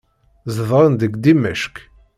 Zedɣen deg Dimecq.